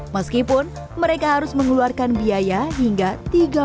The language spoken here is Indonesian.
meskipun mereka harus mengeluarkan biaya hingga rp tiga lima juta per bulan